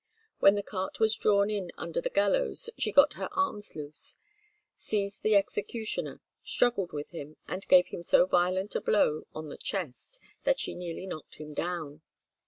When the cart was drawn in under the gallows she got her arms loose, seized the executioner, struggled with him, and gave him so violent a blow on the chest that she nearly knocked him down.